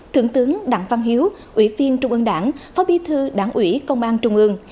thượng tướng đặng văn hiếu ủy viên trung ương đảng phó bí thư đảng ủy công an trung ương